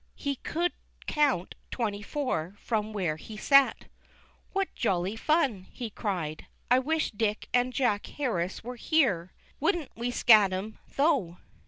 He could count twenty four from where he sat. "What jolly fun !" he cried. "I wish Dick and Jack Harris were here ; wouldn't we scat 'em, though